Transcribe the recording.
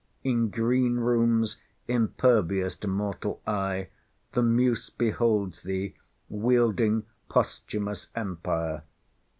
In Green Rooms, impervious to mortal eye, the muse beholds thee wielding posthumous empire.